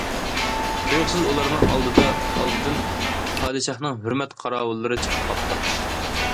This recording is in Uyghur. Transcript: تۇيۇقسىز ئۇلارنىڭ ئالدىدىن پادىشاھنىڭ ھۆرمەت قاراۋۇللىرى چىقىپ قاپتۇ.